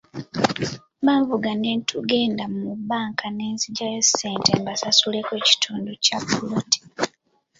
Banvuga ne tugenda mu bbanka ne nzigyayo ssente mbasasuleko ekitundu ku ppoloti.